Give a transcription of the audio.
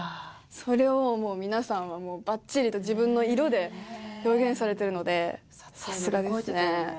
それを皆さんはもうバッチリと自分の色で表現されてるのでさすがですね。